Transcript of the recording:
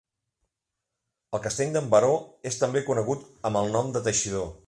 El Castell d'en Baró és també conegut amb el nom de Teixidor.